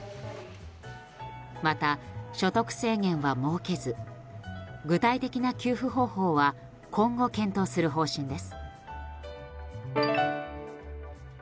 また、所得制限は設けず具体的な給付方法は今後検討する方針です。